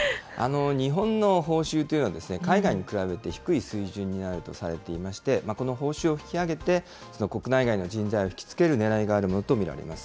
日本の報酬というのは、海外に比べると低い水準にあるとされていまして、この報酬を引き上げて、国内外の人材を引き付けるねらいがあるものと見られます。